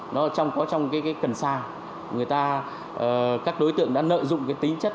nó có trong cái cần sa người ta các đối tượng đã nợ dụng cái tính chất